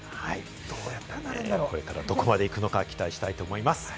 これからどこまでいくのか期待したいと思います。